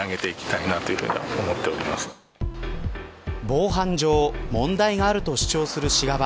防犯上問題があると主張する市側。